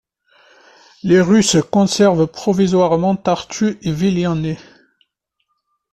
Les Russes conservent provisoirement Tartu et Viljandi.